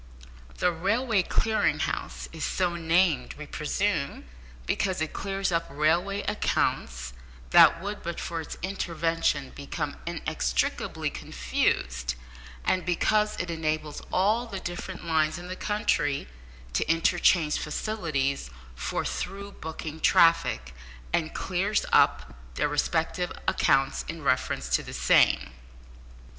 The Railway Clearing House is so named, we presume, because it clears up railway accounts that would, but for its intervention, become inextricably confused, and because it enables all the different lines in the country to interchange facilities for through booking traffic, and clears up their respective accounts in reference to the same.